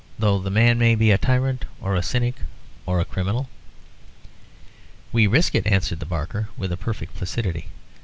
"Though the man may be a tyrant or a cynic or a criminal." "We risk it," answered Barker, with a perfect placidity.